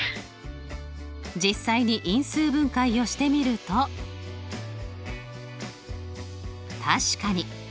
実際に因数分解をしてみると確かに。